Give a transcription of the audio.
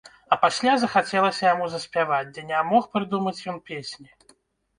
А пасля захацелася яму заспяваць, ды не мог прыдумаць ён песні.